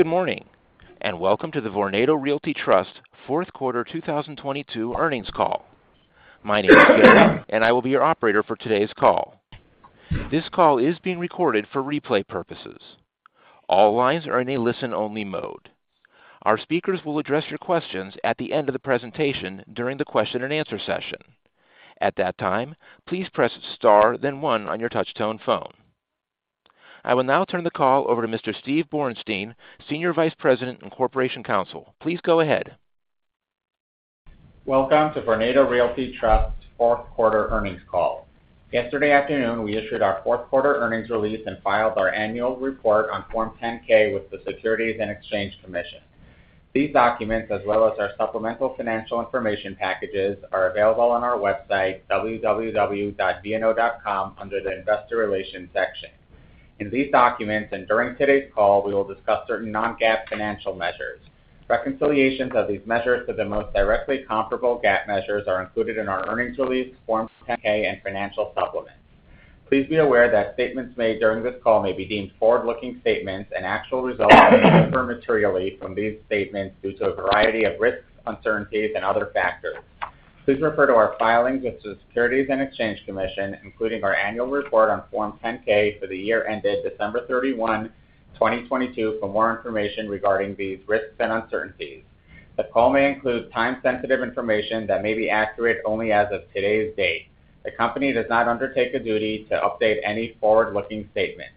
Good morning, welcome to the Vornado Realty Trust fourth quarter 2022 earnings call. My name is Gary, I will be your operator for today's call. This call is being recorded for replay purposes. All lines are in a listen-only mode. Our speakers will address your questions at the end of the presentation during the question and answer session. At that time, please press Star, then one on your touch tone phone. I will now turn the call over to Mr. Steve Borenstein, Senior Vice President and Corporation Counsel. Please go ahead. Welcome to Vornado Realty Trust fourth quarter earnings call. Yesterday afternoon, we issued our fourth quarter earnings release and filed our annual report on Form 10-K with the Securities and Exchange Commission. These documents, as well as our supplemental financial information packages, are available on our website www.vno.com under the Investor Relations section. In these documents and during today's call, we will discuss certain non-GAAP financial measures. Reconciliations of these measures to the most directly comparable GAAP measures are included in our earnings release, Form 10-K and financial supplements. Please be aware that statements made during this call may be deemed forward-looking statements, and actual results may differ materially from these statements due to a variety of risks, uncertainties, and other factors. Please refer to our filings with the Securities and Exchange Commission, including our annual report on Form 10-K for the year ended December 31, 2022 for more information regarding these risks and uncertainties. The call may include time-sensitive information that may be accurate only as of today's date. The company does not undertake a duty to update any forward-looking statement.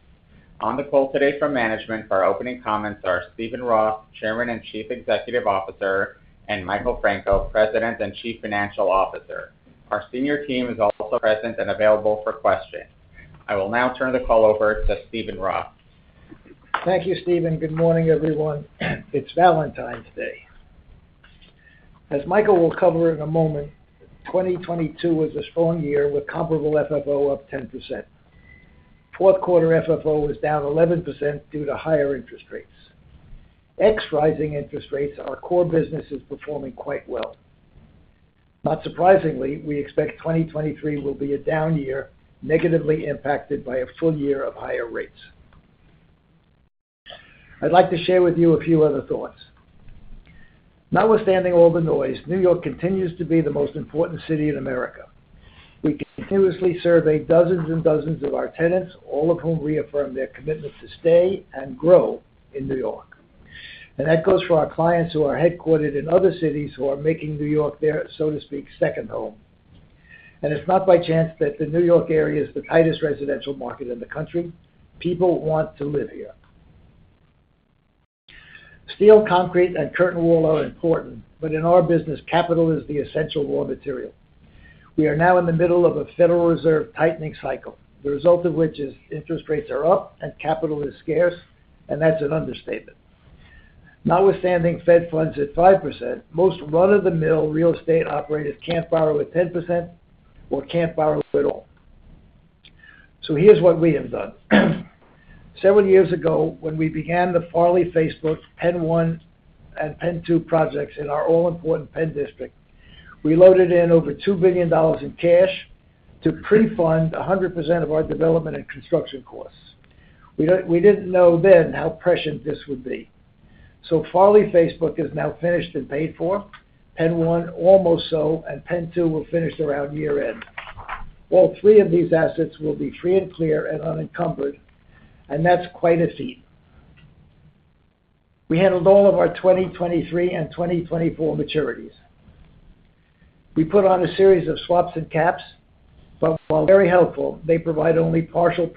On the call today from management for our opening comments are Steven Roth, Chairman and Chief Executive Officer, and Michael Franco, President and Chief Financial Officer. Our senior team is also present and available for questions. I will now turn the call over to Steven Roth. Thank you, Steven. Good morning, everyone. It's Valentine's Day. As Michael will cover in a moment, 2022 was a strong year with comparable FFO up 10%. Fourth quarter FFO was down 11% due to higher interest rates. Ex-rising interest rates, our core business is performing quite well. Not surprisingly, we expect 2023 will be a down year, negatively impacted by a full year of higher rates. I'd like to share with you a few other thoughts. Notwithstanding all the noise, New York continues to be the most important city in America. We continuously survey dozens and dozens of our tenants, all of whom reaffirm their commitment to stay and grow in New York. That goes for our clients who are headquartered in other cities who are making New York their, so to speak, second home. It's not by chance that the New York area is the tightest residential market in the country. People want to live here. Steel, concrete, and curtain wall are important, but in our business, capital is the essential raw material. We are now in the middle of a Federal Reserve tightening cycle, the result of which is interest rates are up and capital is scarce, and that's an understatement. Notwithstanding Fed funds at 5%, most run-of-the-mill real estate operators can't borrow at 10% or can't borrow at all. Here's what we have done. Seven years ago, when we began the Farley Building PENN 1 and PENN 2 projects in our all-important PENN District, we loaded in over $2 billion in cash to pre-fund 100% of our development and construction costs. We didn't know then how prescient this would be. Farley Building is now finished and paid for, PENN 1 almost so, and PENN 2 will finish around year-end. All three of these assets will be free and clear and unencumbered. That's quite a feat. We handled all of our 2023 and 2024 maturities. We put on a series of swaps and caps, but while very helpful, they provide only partial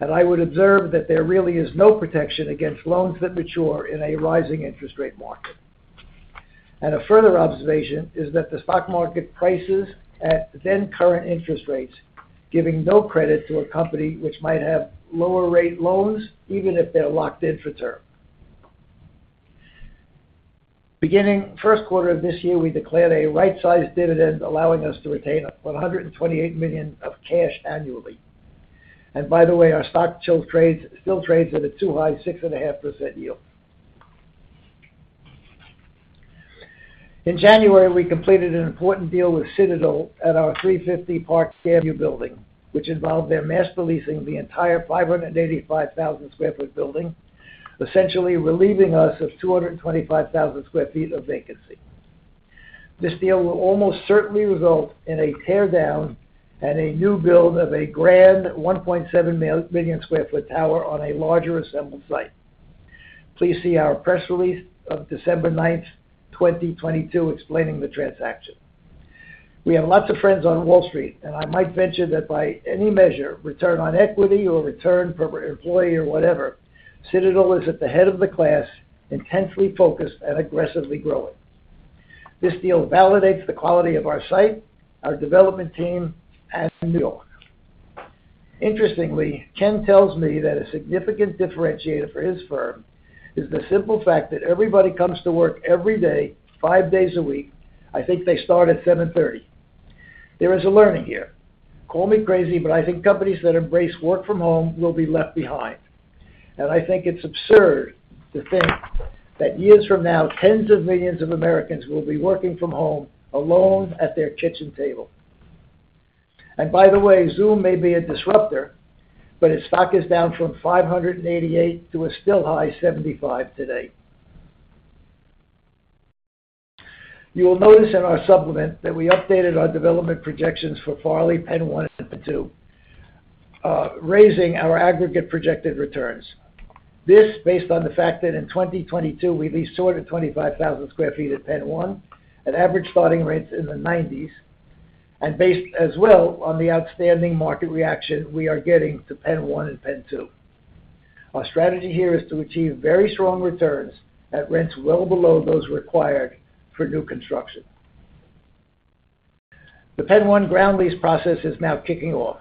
protection. I would observe that there really is no protection against loans that mature in a rising interest rate market. A further observation is that the stock market prices at then current interest rates, giving no credit to a company which might have lower rate loans, even if they're locked in for term. Beginning first quarter of this year, we declared a right-sized dividend allowing us to retain $128 million of cash annually. By the way, our stock still trades at a too high 6.5% yield. In January, we completed an important deal with Citadel at our 350 Park Fairview building, which involved their master leasing the entire 585,000 sq ft building, essentially relieving us of 225,000 sq ft of vacancy. This deal will almost certainly result in a tear down and a new build of a grand 1.7 million sq ft tower on a larger assembled site. Please see our press release of December 9th, 2022 explaining the transaction. We have lots of friends on Wall Street, and I might venture that by any measure, return on equity or return per employee or whatever, Citadel is at the head of the class, intensely focused and aggressively growing. This deal validates the quality of our site, our development team, and New York. Interestingly, Ken tells me that a significant differentiator for his firm is the simple fact that everybody comes to work every day, five days a week. I think they start at 7:30. There is a learning here. Call me crazy, but I think companies that embrace work from home will be left behind. I think it's absurd to think that years from now, tens of millions of Americans will be working from home alone at their kitchen table. By the way, Zoom may be a disruptor, but its stock is down from $588 to a still high $75 today. You will notice in our supplement that we updated our development projections for Farley PENN 1 and PENN 2, raising our aggregate projected returns. This based on the fact that in 2022, we leased 25,000 sq ft at PENN 1 at average starting rates in the 90s, and based as well on the outstanding market reaction we are getting to PENN 1 and PENN 2. Our strategy here is to achieve very strong returns at rents well below those required for new construction. The PENN 1 ground lease process is now kicking off.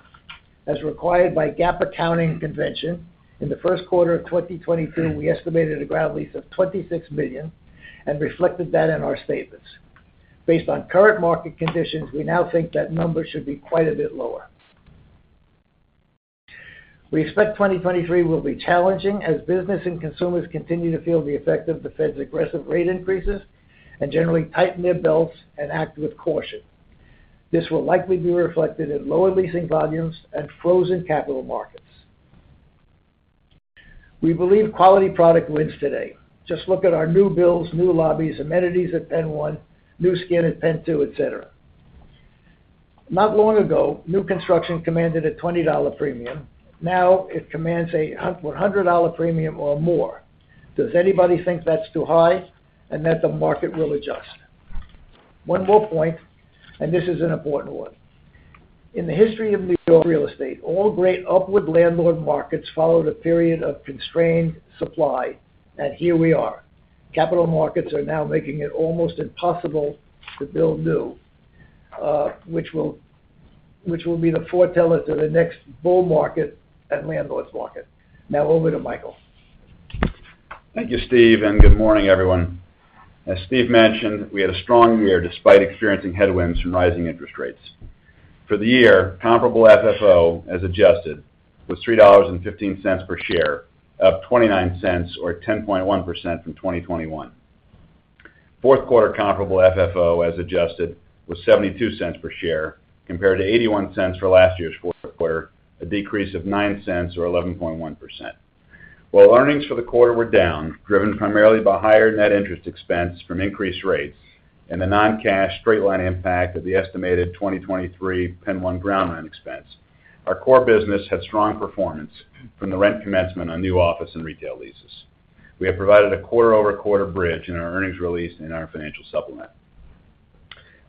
As required by GAAP accounting convention, in the first quarter of 2022, we estimated a ground lease of $26 million and reflected that in our statements. Based on current market conditions, we now think that number should be quite a bit lower. We expect 2023 will be challenging as business and consumers continue to feel the effect of the Fed's aggressive rate increases and generally tighten their belts and act with caution. This will likely be reflected in lower leasing volumes and flows in capital markets. We believe quality product wins today. Just look at our new builds, new lobbies, amenities at PENN 1, new skin at PENN 2, et cetera. Not long ago, new construction commanded a $20 premium. Now it commands a $100 premium or more. Does anybody think that's too high and that the market will adjust? One more point, and this is an important one. In the history of New York real estate, all great upward landlord markets followed a period of constrained supply, and here we are. Capital markets are now making it almost impossible to build new, which will be the foreteller to the next bull market and landlord's market. Now over to Michael. Thank you, Steve. Good morning, everyone. As Steve mentioned, we had a strong year despite experiencing headwinds from rising interest rates. For the year, comparable FFO, as adjusted, was $3.15 per share, up $0.29 or 10.1% from 2021. Fourth quarter comparable FFO, as adjusted, was $0.72 per share compared to $0.81 for last year's fourth quarter, a decrease of $0.09 or 11.1%. While earnings for the quarter were down, driven primarily by higher net interest expense from increased rates and the non-cash straight-line impact of the estimated 2023 PENN 1 ground rent expense, our core business had strong performance from the rent commencement on new office and retail leases. We have provided a quarter-over-quarter bridge in our earnings release in our financial supplement.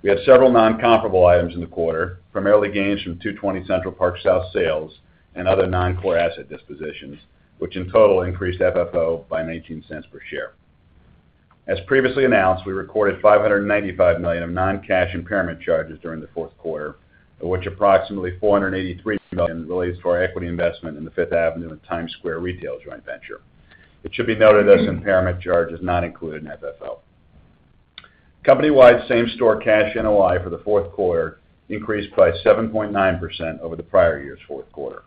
We have several non-comparable items in the quarter, primarily gains from 220 Central Park South sales and other non-core asset dispositions, which in total increased FFO by $0.19 per share. As previously announced, we recorded $595 million of non-cash impairment charges during the fourth quarter, of which approximately $483 million relates to our equity investment in the Fifth Avenue and Times Square Retail Joint Venture. It should be noted as impairment charge is not included in FFO. Company-wide same-store cash NOI for the fourth quarter increased by 7.9% over the prior year's fourth quarter.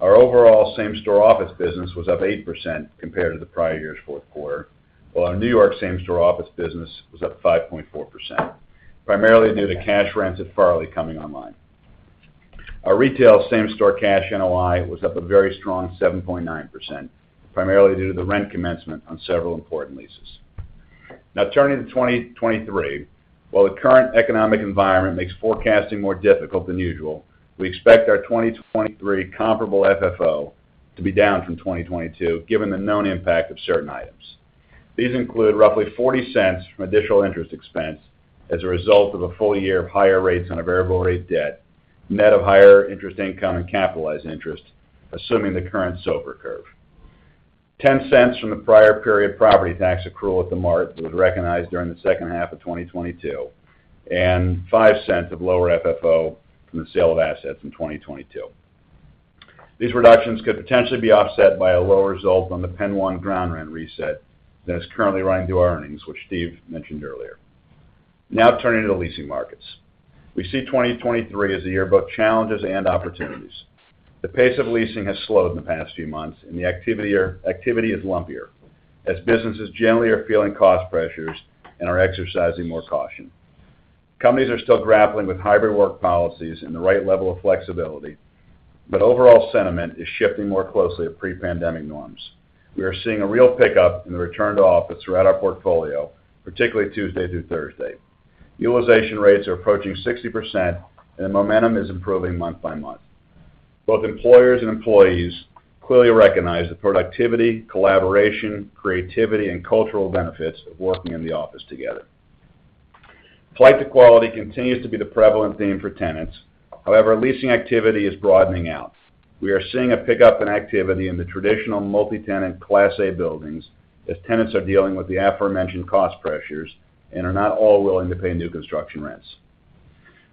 Our overall same-store office business was up 8% compared to the prior year's fourth quarter, while our New York same-store office business was up 5.4%, primarily due to cash rents at Farley coming online. Our retail same-store cash NOI was up a very strong 7.9%, primarily due to the rent commencement on several important leases. Turning to 2023. While the current economic environment makes forecasting more difficult than usual, we expect our 2023 comparable FFO to be down from 2022, given the known impact of certain items. These include roughly $0.40 from additional interest expense as a result of a full year of higher rates on a variable rate debt, net of higher interest income and capitalized interest, assuming the current SOFR curve. $0.10 from the prior period property tax accrual at The Mart that was recognized during the second half of 2022, and $0.05 of lower FFO from the sale of assets in 2022. These reductions could potentially be offset by a lower result on the PENN 1 ground rent reset that is currently running through our earnings, which Steve mentioned earlier. Turning to the leasing markets. We see 2023 as a year of both challenges and opportunities. The pace of leasing has slowed in the past few months, the activity is lumpier as businesses generally are feeling cost pressures and are exercising more caution. Companies are still grappling with hybrid work policies and the right level of flexibility, overall sentiment is shifting more closely to pre-pandemic norms. We are seeing a real pickup in the return to office throughout our portfolio, particularly Tuesday through Thursday. Utilization rates are approaching 60%, the momentum is improving month by month. Both employers and employees clearly recognize the productivity, collaboration, creativity, and cultural benefits of working in the office together. Flight to quality continues to be the prevalent theme for tenants. Leasing activity is broadening out. We are seeing a pickup in activity in the traditional multi-tenant Class A buildings as tenants are dealing with the aforementioned cost pressures and are not all willing to pay new construction rents.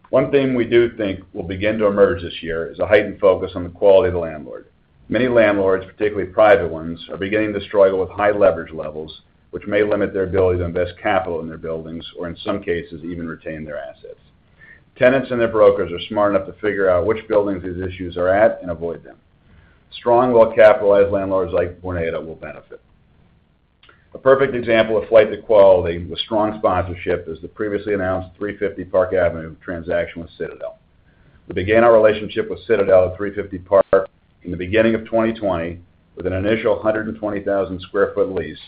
One thing we do think will begin to emerge this year is a heightened focus on the quality of the landlord. Many landlords, particularly private ones, are beginning to struggle with high leverage levels, which may limit their ability to invest capital in their buildings or in some cases, even retain their assets. Tenants and their brokers are smart enough to figure out which buildings these issues are at and avoid them. Strong, well-capitalized landlords like Vornado will benefit. A perfect example of flight to quality with strong sponsorship is the previously announced 350 Park Avenue transaction with Citadel. We began our relationship with Citadel at 350 Park in the beginning of 2020 with an initial 120,000 square foot lease,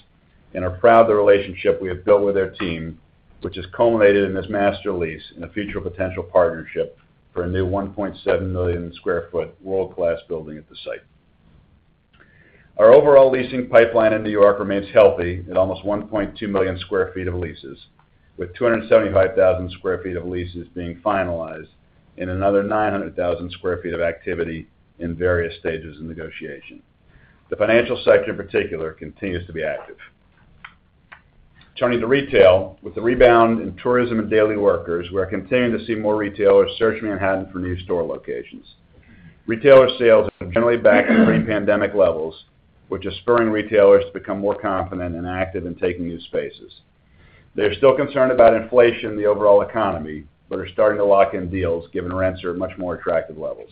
and are proud of the relationship we have built with their team, which has culminated in this master lease and a future potential partnership for a new 1.7 million square foot world-class building at the site. Our overall leasing pipeline in New York remains healthy at almost 1.2 million sq ft of leases, with 275,000 sq ft of leases being finalized and another 900,000 sq ft of activity in various stages of negotiation. The financial sector in particular continues to be active. Turning to retail. With the rebound in tourism and daily workers, we are continuing to see more retailers searching Manhattan for new store locations. Retailer sales are generally back to pre-pandemic levels, which is spurring retailers to become more confident and active in taking new spaces. They're still concerned about inflation in the overall economy, are starting to lock in deals given rents are at much more attractive levels.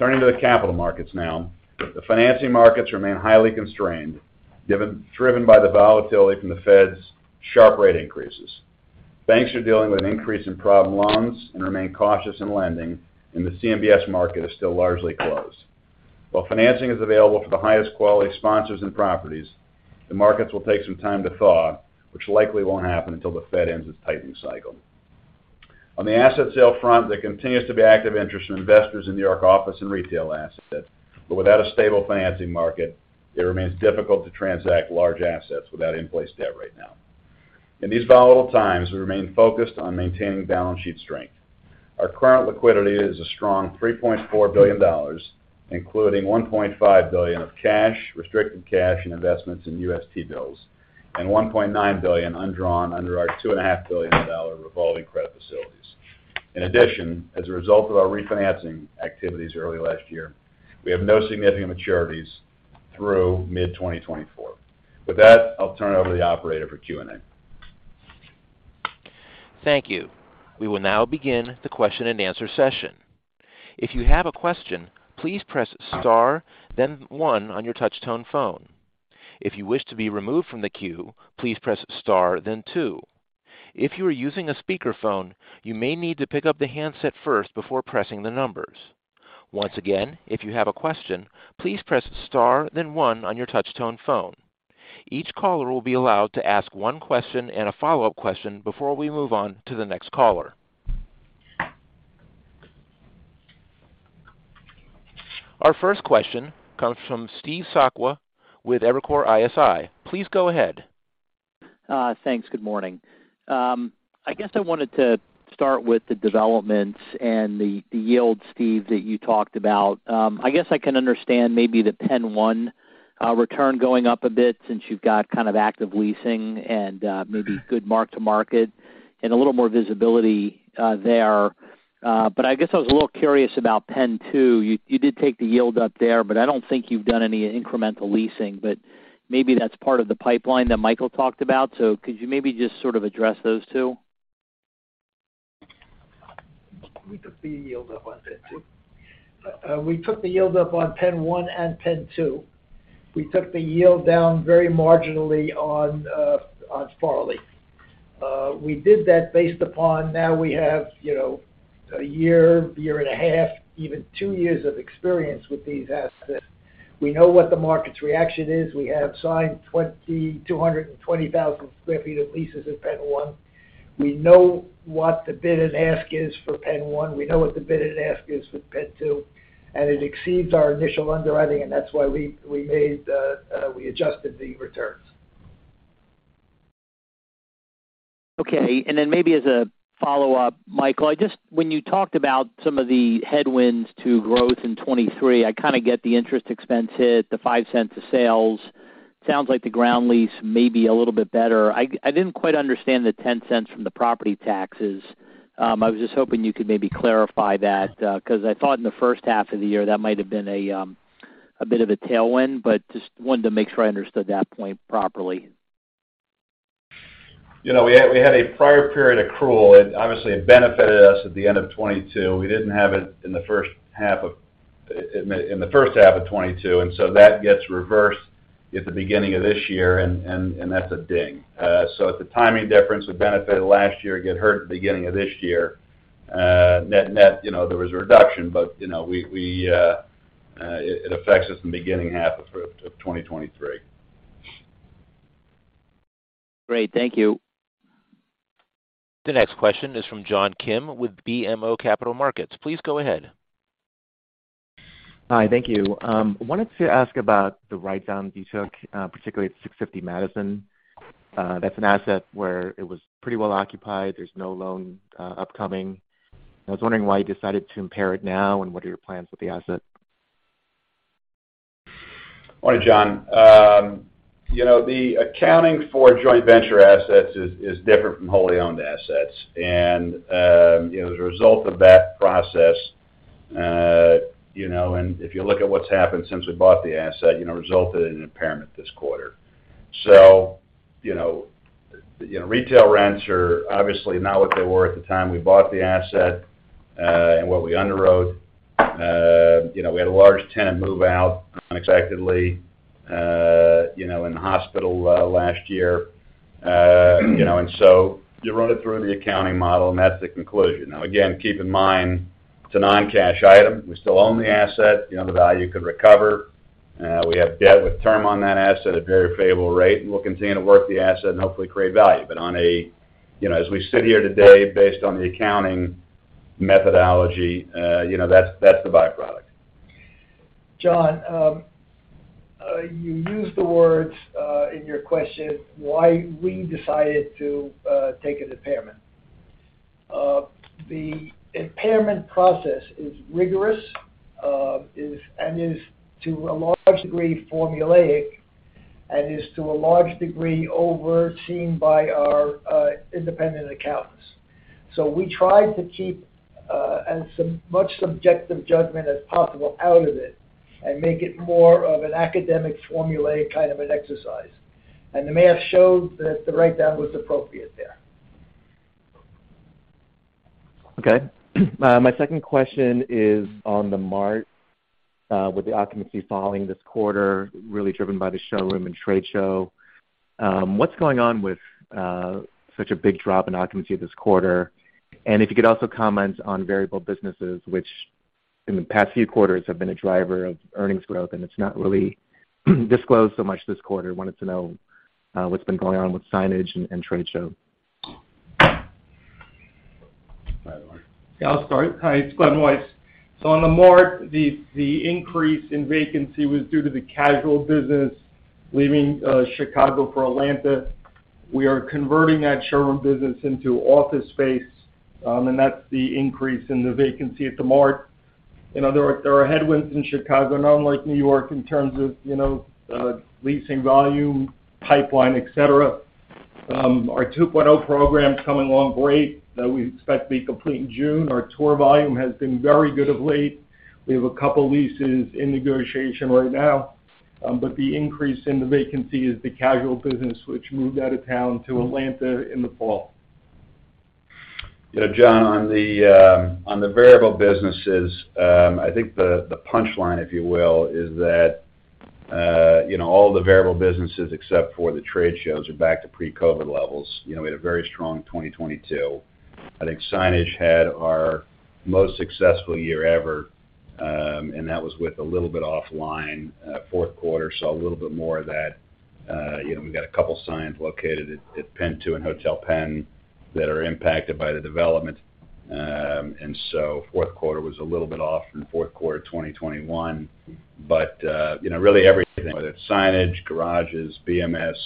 Turning to the capital markets now. The financing markets remain highly constrained, driven by the volatility from the Fed's sharp rate increases. Banks are dealing with an increase in problem loans and remain cautious in lending, the CMBS market is still largely closed. While financing is available for the highest quality sponsors and properties, the markets will take some time to thaw, which likely won't happen until the Fed ends its tightening cycle. On the asset sale front, there continues to be active interest from investors in New York office and retail assets. Without a stable financing market, it remains difficult to transact large assets without in-place debt right now. In these volatile times, we remain focused on maintaining balance sheet strength. Our current liquidity is a strong $3.4 billion, including $1.5 billion of cash, restricted cash, and investments in UST bills, and $1.9 billion undrawn under our $2.5 billion revolving credit facilities. In addition, as a result of our refinancing activities early last year, we have no significant maturities through mid-2024. With that, I'll turn it over to the operator for Q&A. Thank you. We will now begin the question-and-answer session. If you have a question, please press star then one on your touch tone phone. If you wish to be removed from the queue, please press star then two. If you are using a speakerphone, you may need to pick up the handset first before pressing the numbers. Once again, if you have a question, please press star then one on your touch tone phone. Each caller will be allowed to ask one question and a follow-up question before we move on to the next caller. Our first question comes from Steve Sakwa with Evercore ISI. Please go ahead. Thanks. Good morning. I guess I wanted to start with the developments and the yield, Steve, that you talked about. I guess I can understand maybe the PENN 1 return going up a bit since you've got kind of active leasing and maybe good mark to market and a little more visibility there. I guess I was a little curious about PENN 2. You did take the yield up there, but I don't think you've done any incremental leasing. Maybe that's part of the pipeline that Michael talked about. Could you maybe just sort of address those two? We took the yield up on PENN 2. We took the yield up on PENN 1 and PENN 2. We took the yield down very marginally on Farley. We did that based upon now we have, you know, a year, 1.5 years, even two years of experience with these assets. We know what the market's reaction is. We have signed 220,000 sq ft of leases at PENN 1. We know what the bid and ask is for PENN 1. We know what the bid and ask is for PENN 2. It exceeds our initial underwriting, and that's why we made, we adjusted the returns. Okay. Maybe as a follow-up, Michael, when you talked about some of the headwinds to growth in 2023, I kinda get the interest expense hit, the $0.05 a sales. Sounds like the ground lease may be a little bit better. I didn't quite understand the $0.10 from the property taxes. I was just hoping you could maybe clarify that, because I thought in the first half of the year, that might have been a bit of a tailwind, but just wanted to make sure I understood that point properly. You know, we had a prior period accrual. It obviously benefited us at the end of 2022. We didn't have it in the first half of 2022, that gets reversed at the beginning of this year and that's a ding. It's a timing difference. It benefited last year, it got hurt at the beginning of this year. Net-net, you know, there was a reduction, but, you know, we, it affects us in the beginning half of 2023. Great. Thank you. The next question is from John Kim with BMO Capital Markets. Please go ahead. Hi. Thank you. Wanted to ask about the write down you took, particularly at 650 Madison. That's an asset where it was pretty well occupied. There's no loan, upcoming. I was wondering why you decided to impair it now. What are your plans with the asset? Morning, John. You know, the accounting for joint venture assets is different from wholly owned assets. You know, as a result of that process, you know, and if you look at what's happened since we bought the asset, you know, resulted in an impairment this quarter. You know, retail rents are obviously not what they were at the time we bought the asset, and what we underwrote. You know, we had a large tenant move out unexpectedly, you know, in the hospital last year. You know, and so you run it through the accounting model, and that's the conclusion. Now, again, keep in mind it's a non-cash item. We still own the asset, you know, the value could recover. We have debt with term on that asset at a very favorable rate, and we'll continue to work the asset and hopefully create value. You know, as we sit here today based on the accounting methodology, you know, that's the byproduct. John, you used the words in your question, why we decided to take an impairment. The impairment process is rigorous, and is to a large degree formulaic, and is to a large degree overseen by our independent accountants. We try to keep as much subjective judgment as possible out of it and make it more of an academic formulaic kind of an exercise. The math showed that the write down was appropriate there. Okay. My second question is on the Mart, with the occupancy falling this quarter really driven by the showroom and trade show. What's going on with such a big drop in occupancy this quarter? If you could also comment on variable businesses, which in the past few quarters have been a driver of earnings growth, and it's not really disclosed so much this quarter. Wanted to know what's been going on with signage and trade shows. Go ahead, Marc. Yeah, I'll start. Hi, it's Glen Weiss. On the Mart, the increase in vacancy was due to the casual business leaving Chicago for Atlanta. We are converting that showroom business into office space, and that's the increase in the vacancy at the Mart. You know, there are headwinds in Chicago, unlike New York, in terms of, you know, leasing volume, pipeline, et cetera. Our 2.0 program's coming along great that we expect to be complete in June. Our tour volume has been very good of late. We have a couple leases in negotiation right now. The increase in the vacancy is the casual business, which moved out of town to Atlanta in the fall. Yeah, John, on the, on the variable businesses, I think the punchline, if you will, is that, you know, all the variable businesses except for the trade shows are back to pre-COVID levels. You know, we had a very strong 2022. I think signage had our most successful year ever, and that was with a little bit offline. Fourth quarter saw a little bit more of that. You know, we've got a couple signs located at PENN Two and Hotel PENN that are impacted by the development. Fourth quarter was a little bit off from fourth quarter 2021. You know, really everything, whether it's signage, garages, BMS,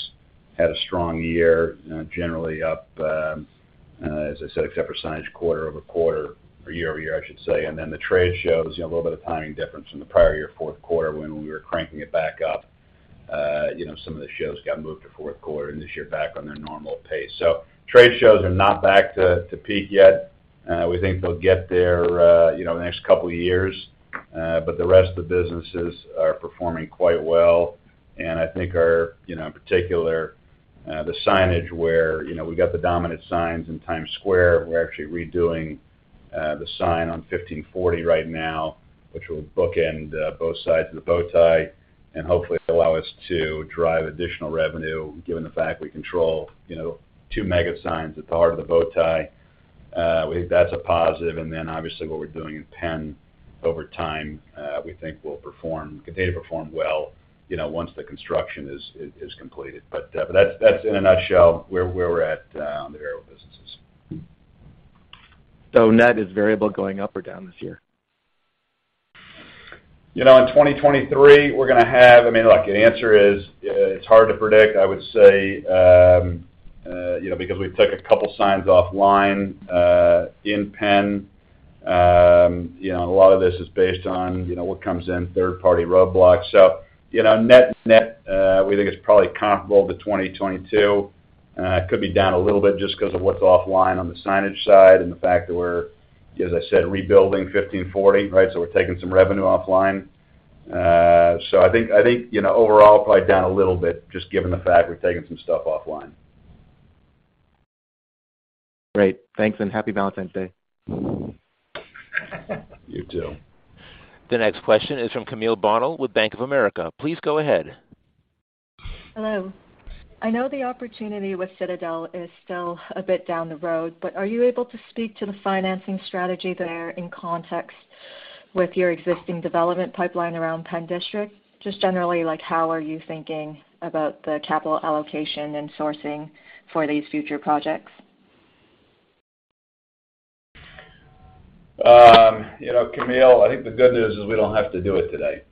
had a strong year, generally up, as I said, except for signage quarter-over-quarter or year-over-year, I should say. The trade shows, you know, a little bit of timing difference from the prior year fourth quarter when we were cranking it back up. You know, some of the shows got moved to fourth quarter, this year back on their normal pace. Trade shows are not back to peak yet. We think they'll get there, you know, in the next couple of years. The rest of the businesses are performing quite well. I think our, you know, in particular, the signage where, you know, we got the dominant signs in Times Square, we're actually redoing the sign on 1540 right now, which will bookend both sides of the bow tie and hopefully allow us to drive additional revenue, given the fact we control, you know, 2 mega signs at the heart of the bow tie. We think that's a positive. Obviously what we're doing in PENN over time, we think will perform, continue to perform well, you know, once the construction is completed. That's in a nutshell where we're at on the variable businesses. Net is variable going up or down this year? You know, in 2023, we're gonna have. I mean, look, the answer is, it's hard to predict, I would say. You know, because we took a couple signs offline in PENN. You know, and a lot of this is based on, you know, what comes in third-party roadblocks. Net, net, we think it's probably comparable to 2022. It could be down a little bit just 'cause of what's offline on the signage side and the fact that we're, as I said, rebuilding 1540, right? We're taking some revenue offline. I think, you know, overall, probably down a little bit just given the fact we're taking some stuff offline. Great. Thanks, and happy Valentine's Day. You too. The next question is from Camille Bonnel with Bank of America. Please go ahead. Hello. I know the opportunity with Citadel is still a bit down the road, but are you able to speak to the financing strategy there in context with your existing development pipeline around PENN District? Just generally, like, how are you thinking about the capital allocation and sourcing for these future projects? You know, Camille, I think the good news is we don't have to do it today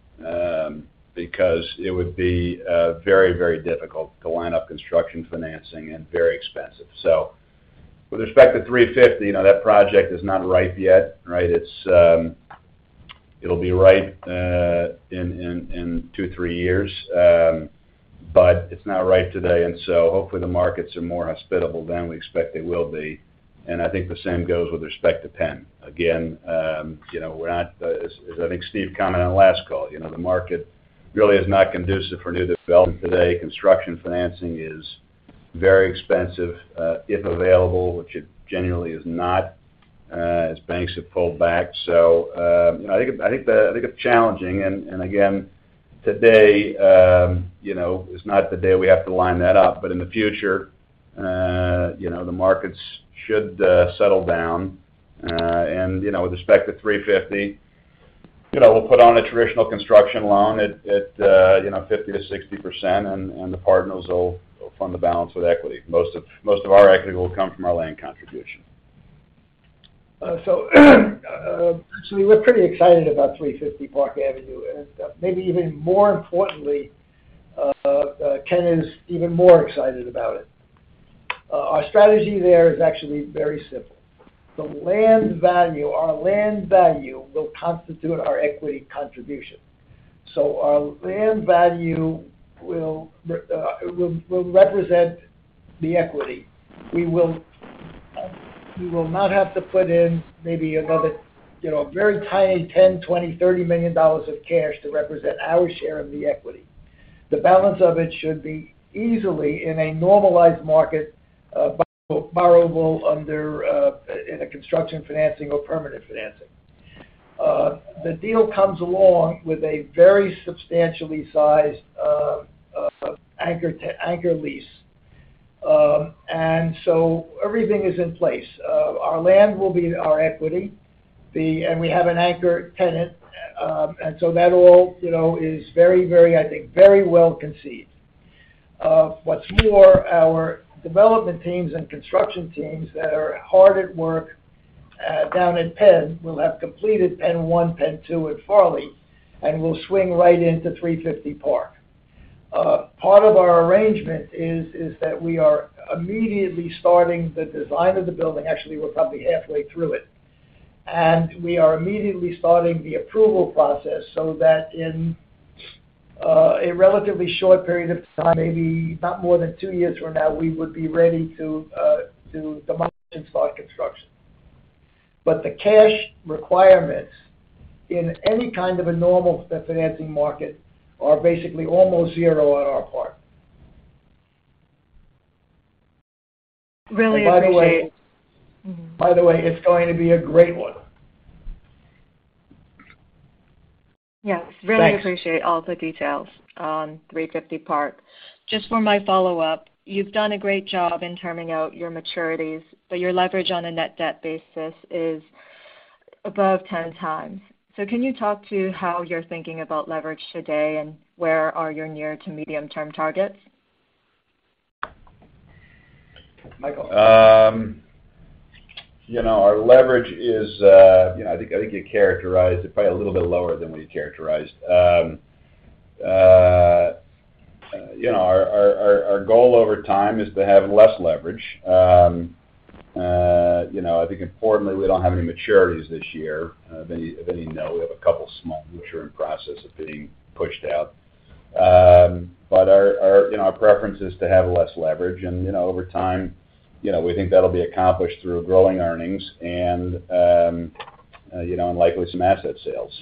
because it would be very, very difficult to line up construction financing and very expensive. With respect to 350, you know, that project is not ripe yet, right? It'll be ripe in two, three years. It's not ripe today, hopefully the markets are more hospitable then. We expect they will be. I think the same goes with respect to PENN. Again, you know, we're not as I think Steve commented on last call, you know, the market really is not conducive for new development today. Construction financing is very expensive, if available, which it generally is not as banks have pulled back. You know, I think it's challenging. Again, today, you know, is not the day we have to line that up, but in the future, you know, the markets should settle down. You know, with respect to 350, you know, we'll put on a traditional construction loan at 50%-60%, and the partners will fund the balance with equity. Most of our equity will come from our land contribution. We're pretty excited about 350 Park Avenue, and maybe even more importantly, Ken is even more excited about it. Our strategy there is actually very simple. The land value, our land value will constitute our equity contribution. Our land value will represent the equity. We will not have to put in maybe another, you know, a very tiny $10 million, $20 million, $30 million of cash to represent our share of the equity. The balance of it should be easily in a normalized market, borrowable under in a construction financing or permanent financing. The deal comes along with a very substantially sized anchor lease. Everything is in place. Our land will be our equity. We have an anchor tenant. That all, you know, is very, I think, very well conceived. What's more, our development teams and construction teams that are hard at work down at PENN will have completed PENN 1, PENN 2 at Farley, and we'll swing right into 350 Park. Part of our arrangement is that we are immediately starting the design of the building. Actually, we're probably halfway through it. We are immediately starting the approval process so that in a relatively short period of time, maybe not more than two years from now, we would be ready to commence and start construction. The cash requirements in any kind of a normal financing market are basically almost zero on our part. Really appreciate- By the way. By the way, it's going to be a great one. Yes. Thanks. Really appreciate all the details on 350 Park. Just for my follow-up, you've done a great job in terming out your maturities, but your leverage on a net debt basis is above 10 times. Can you talk to how you're thinking about leverage today, and where are your near to medium term targets? Michael. You know, our leverage is, you know, I think you characterized it probably a little bit lower than we characterized. You know, our goal over time is to have less leverage. You know, I think importantly, we don't have any maturities this year. If any of you know, we have a couple small, which are in process of being pushed out. Our preference is to have less leverage. You know, over time, you know, we think that'll be accomplished through growing earnings and, you know, likely some asset sales.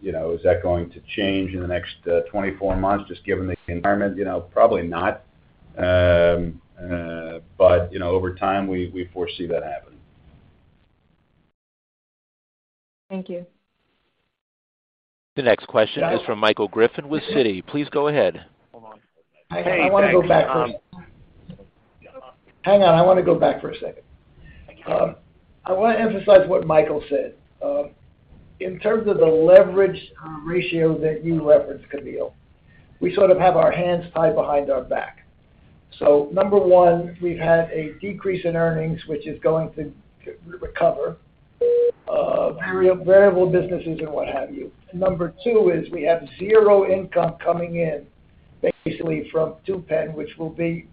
You know, is that going to change in the next 24 months just given the environment? You know, probably not. You know, over time, we foresee that happening. Thank you. The next question is from Michael Griffin with Citi. Please go ahead. Hold on. Hey, thanks. I wanna go back for a second. Hang on, I wanna go back for a second. I wanna emphasize what Michael said. In terms of the leverage ratio that you referenced, Camille, we sort of have our hands tied behind our back. Number one, we've had a decrease in earnings, which is going to re-recover, variable businesses and what have you. Number two is we have zero income coming in basically from 2 PENN, which will be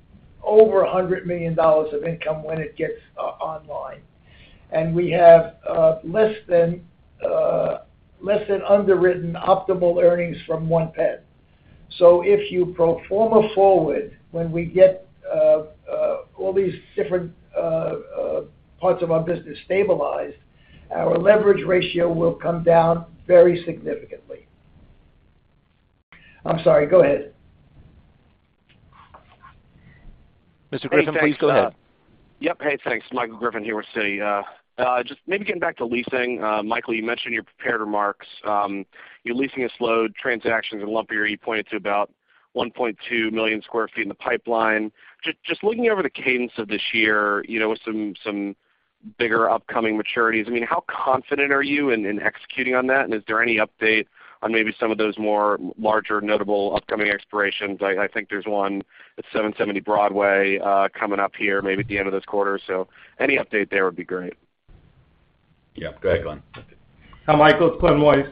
over $100 million of income when it gets online. We have less than underwritten optimal earnings from 1 PENN. If you pro forma forward, when we get all these different parts of our business stabilized, our leverage ratio will come down very significantly. I'm sorry. Go ahead. Mr. Griffin, please go ahead. Yep. Hey, thanks. Michael Griffin here with Citi. Just maybe getting back to leasing. Michael, you mentioned in your prepared remarks, your leasing is slow, transactions are lumpier. You pointed to about 1.2 million sq ft in the pipeline. Just looking over the cadence of this year, you know, with some bigger upcoming maturities, I mean, how confident are you in executing on that? And is there any update on maybe some of those more larger notable upcoming expirations? I think there's one at 770 Broadway coming up here maybe at the end of this quarter. Any update there would be great. Yep. Go ahead, Glen. Hi, Michael, it's Glen Weiss.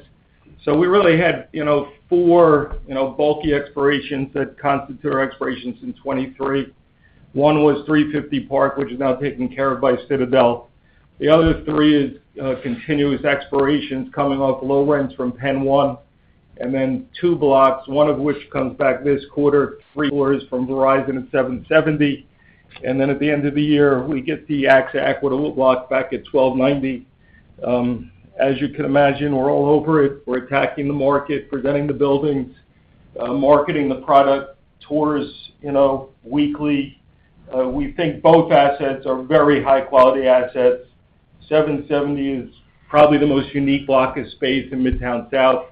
We really had, you know, 4, you know, bulky expirations that constitute our expirations in 2023. 1 was 350 Park, which is now taken care of by Citadel. The other 3 is continuous expirations coming off low rents from PENN 1. Two blocks, one of which comes back this quarter, three floors from Verizon at 770. At the end of the year, we get the AXA Equitable block back at 1290. As you can imagine, we're all over it. We're attacking the market, presenting the buildings, marketing the product, tours, you know, weekly. We think both assets are very high-quality assets. 770 is probably the most unique block of space in Midtown South.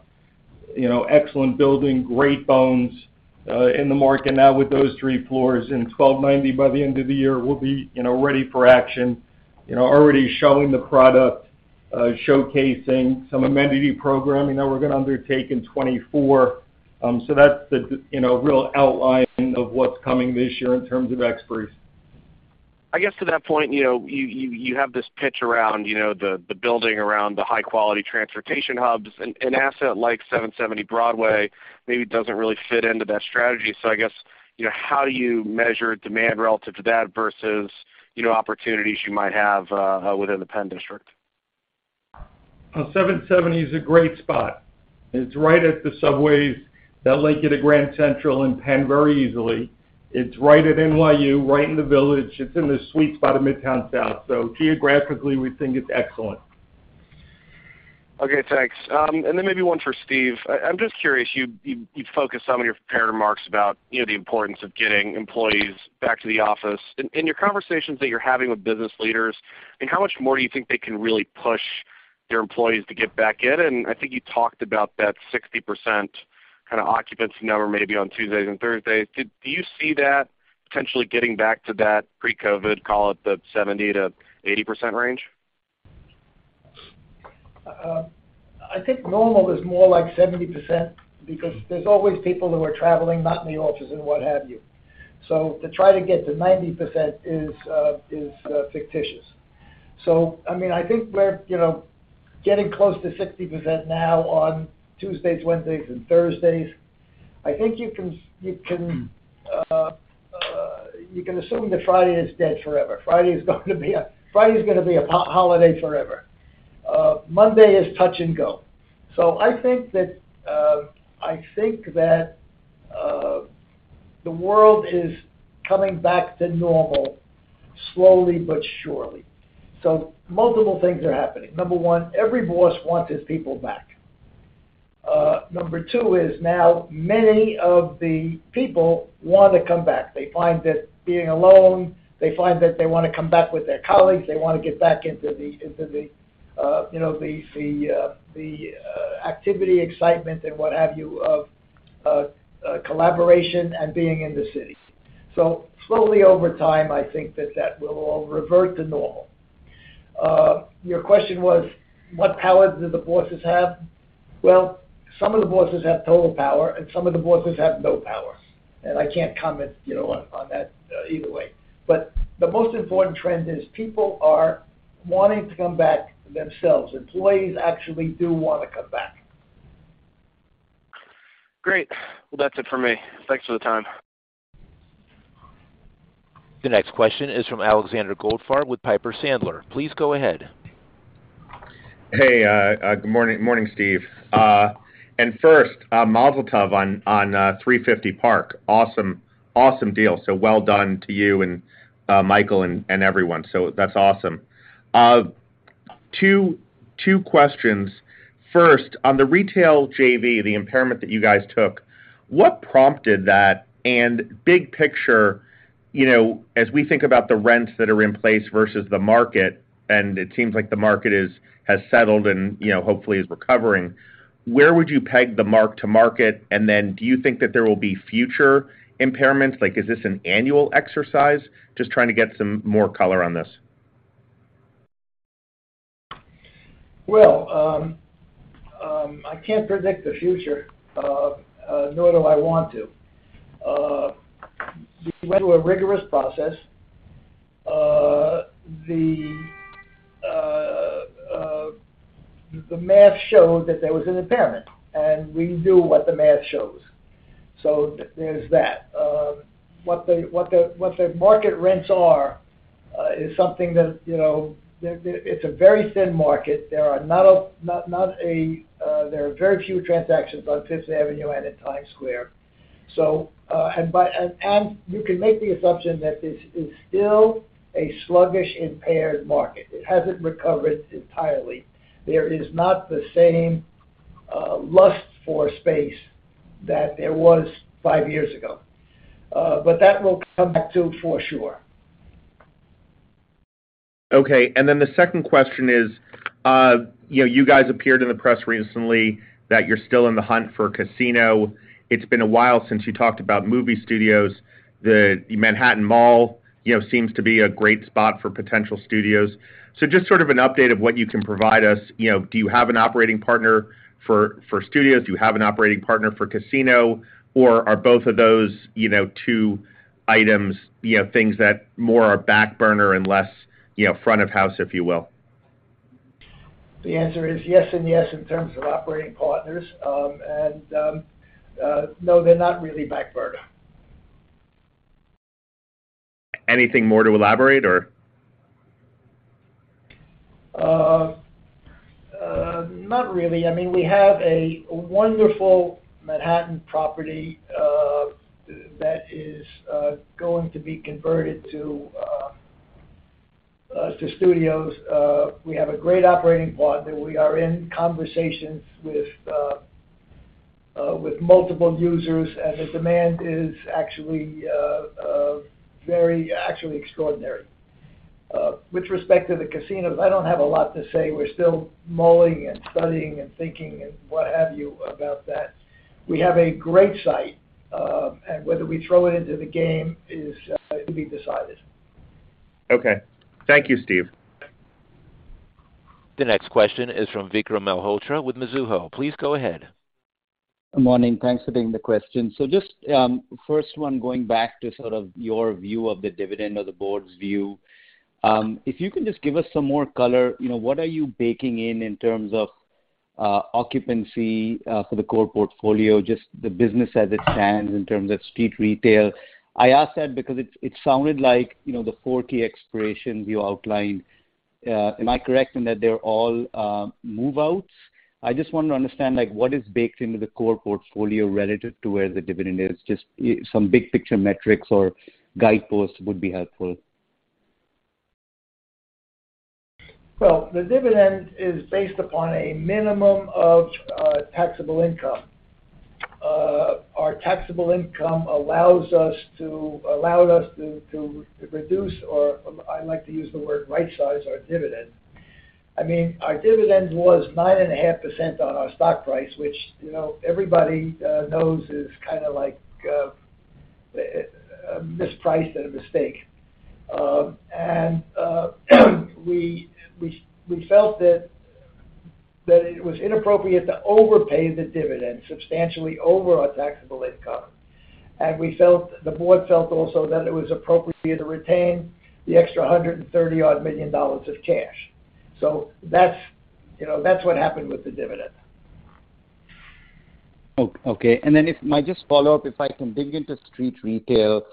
You know, excellent building, great bones, in the market now with those three floors. 1290 by the end of the year will be, you know, ready for action. You know, already showing the product, showcasing some amenity programming that we're gonna undertake in 2024. So that's the, you know, real outline of what's coming this year in terms of experts. I guess to that point, you know, you have this pitch around, you know, the building around the high-quality transportation hubs. An asset like 770 Broadway maybe doesn't really fit into that strategy. I guess, you know, how do you measure demand relative to that versus, you know, opportunities you might have within the PENN District? 770 is a great spot. It's right at the subways that link you to Grand Central and PENN very easily. It's right at NYU, right in the Village. It's in the sweet spot of Midtown South. Geographically, we think it's excellent. Okay, thanks. Maybe one for Steve. I'm just curious, you focused some of your prepared remarks about, you know, the importance of getting employees back to the office. In your conversations that you're having with business leaders, I mean, how much more do you think they can really push their employees to get back in? I think you talked about that 60% kind of occupancy number maybe on Tuesdays and Thursdays. Do you see that potentially getting back to that pre-COVID, call it the 70%-80% range? I think normal is more like 70% because there's always people who are traveling, not in the offices and what have you. To try to get to 90% is fictitious. I mean, I think we're, you know, getting close to 60% now on Tuesdays, Wednesdays and Thursdays. I think you can, you can assume that Friday is dead forever. Friday is gonna be a holiday forever. Monday is touch and go. I think that, I think that the world is coming back to normal slowly but surely. Multiple things are happening. Number one, every boss wants his people back. Number two is now many of the people wanna come back. They find that being alone, they find that they wanna come back with their colleagues, they wanna get back into the, you know, the activity, excitement and what have you, of collaboration and being in the city. Slowly over time, I think that that will all revert to normal. Your question was, what power do the bosses have? Some of the bosses have total power, and some of the bosses have no power. I can't comment, you know, on that either way. The most important trend is people are wanting to come back themselves. Employees actually do wanna come back. Great. Well, that's it for me. Thanks for the time. The next question is from Alexander Goldfarb with Piper Sandler. Please go ahead. Hey, good morning, Steve. First, mazel tov on 350 Park Avenue. Awesome deal. Well done to you and Michael and everyone. That's awesome. Two questions. First, on the retail JV, the impairment that you guys took, what prompted that? Big picture, you know, as we think about the rents that are in place versus the market, and it seems like the market has settled and, you know, hopefully is recovering, where would you peg the mark to market? Then do you think that there will be future impairments? Like, is this an annual exercise? Just trying to get some more color on this. Well, I can't predict the future, nor do I want to. We went through a rigorous process. The math showed that there was an impairment, and we do what the math shows. There's that. What the market rents are, is something that, you know, there... It's a very thin market. There are very few transactions on Fifth Avenue and in Times Square. You can make the assumption that this is still a sluggish impaired market. It hasn't recovered entirely. There is not the same lust for space that there was five years ago. But that will come back too, for sure. Okay. The second question is, you know, you guys appeared in the press recently that you're still in the hunt for a casino. It's been a while since you talked about movie studios. The Manhattan Mall, you know, seems to be a great spot for potential studios. Just sort of an update of what you can provide us? You know, do you have an operating partner for studios? Do you have an operating partner for casino? Are both of those, you know, 2 items, you know, things that more are back burner and less, you know, front of house, if you will? The answer is yes and yes in terms of operating partners. No, they're not really back burner. Anything more to elaborate or? Not really. I mean, we have a wonderful Manhattan property, that is going to be converted to studios. We have a great operating partner. We are in conversations with multiple users, and the demand is actually very actually extraordinary. With respect to the casinos, I don't have a lot to say. We're still mulling and studying and thinking and what have you about that. We have a great site, and whether we throw it into the game is to be decided. Okay. Thank you, Steve. The next question is from Vikram Malhotra with Mizuho. Please go ahead. Morning. Thanks for taking the question. First one, going back to sort of your view of the dividend or the Board's view, if you can just give us some more color, you know, what are you baking in in terms of occupancy for the core portfolio, just the business as it stands in terms of street retail. I ask that because it sounded like, you know, the 40 expiration you outlined, am I correct in that they're all move-outs? I just want to understand, like, what is baked into the core portfolio relative to where the dividend is. Just some big picture metrics or guideposts would be helpful. Well, the dividend is based upon a minimum of taxable income. Our taxable income allowed us to reduce, or I like to use the word right-size our dividend. I mean, our dividend was 9.5% on our stock price, which, you know, everybody knows is kinda like mispriced and a mistake. We felt that it was inappropriate to overpay the dividend substantially over our taxable income. The board felt also that it was appropriate for you to retain the extra $130 odd million of cash. That's, you know, that's what happened with the dividend. Okay. Might just follow up, if I can dig into street retail,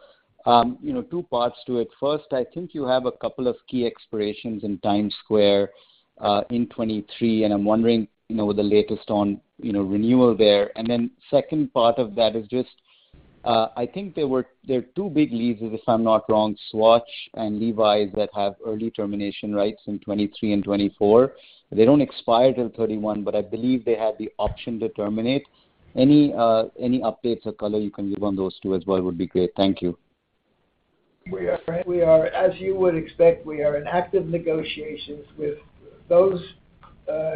you know, two parts to it. First, I think you have a couple of key expirations in Times Square in 2023, and I'm wondering, you know, the latest on, you know, renewal there. Second part of that is just, I think there are two big leases, if I'm not wrong, Swatch and Levi's that have early termination rights in 2023 and 2024. They don't expire till 2031, but I believe they have the option to terminate. Any updates or color you can give on those two as well would be great. Thank you. We are, as you would expect, we are in active negotiations with those